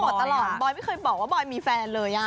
ไม่โสดตลอดบอยไม่เคยบอกว่าบอยมีแฟนเลยอ่ะ